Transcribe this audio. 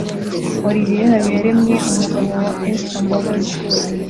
Olivier Habiyaremye umugabo wa Esther Mbabazi